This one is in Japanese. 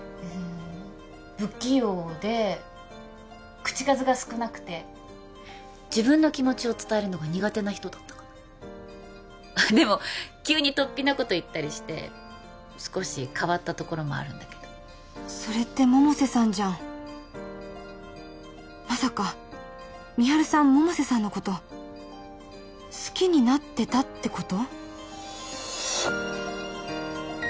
不器用で口数が少なくて自分の気持ちを伝えるのが苦手な人だったかなでも急にとっぴなこと言ったりして少し変わったところもあるんだけどそれって百瀬さんじゃんまさか美晴さん百瀬さんのこと好きになってたってこと？